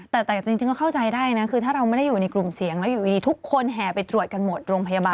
แต่จริงก็เข้าใจได้นะคือถ้าเราไม่ได้อยู่ในกลุ่มเสียงแล้วอยู่ดีทุกคนแห่ไปตรวจกันหมดโรงพยาบาล